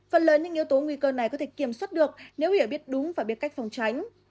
phần lớn những yếu tố nguy cơ này có thể kiểm soát được nếu hiểu biết đúng và biết cách phòng tránh